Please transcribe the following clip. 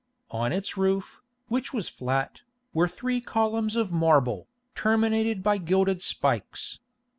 On its roof, which was flat, were three columns of marble, terminated by gilded spikes.